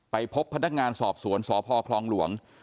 พบพนักงานสอบสวนสพคลองหลวง